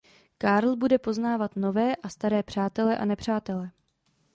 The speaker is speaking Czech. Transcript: Carl bude poznávat nové a staré přátelé a nepřátelé.